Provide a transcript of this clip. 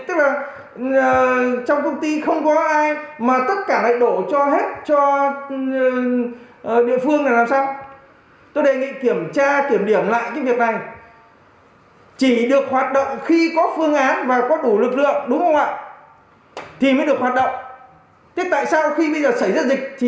tức là trong công ty không có ai mà tất cả lại đổ cho hết cho địa phương là làm sao